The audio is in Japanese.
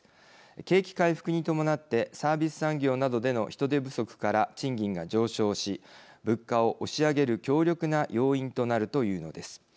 景気回復に伴ってサービス産業などでの人手不足から賃金が上昇し物価を押し上げる強力な要因となるというのです。